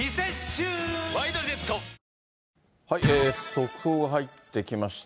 速報が入ってきました。